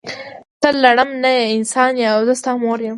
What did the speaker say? ته لړم نه یی انسان یی او زه ستا مور یم.